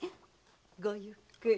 ごゆっくり。